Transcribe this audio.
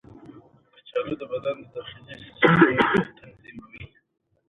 کچالو د بدن د داخلي سیسټم تنظیموي.